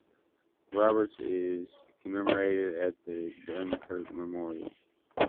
Roberts is commemorated at the Dunkirk Memorial.